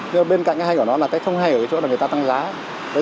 nhưng mà bên cạnh cái hay của nó là cái thông hay ở cái chỗ là người ta tăng giá